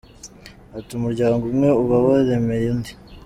Ati “Umuryango umwe uba waremereye undi.